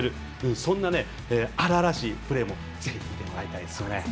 そんな荒々しいプレーもぜひ、見てもらいたいですね。